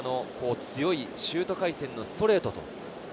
強いシュート回転でストレート。